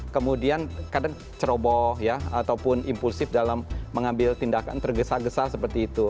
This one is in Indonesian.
kemudian kadang ceroboh ya ataupun impulsif dalam mengambil tindakan tergesa gesa seperti itu